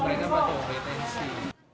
mereka patuh keitensi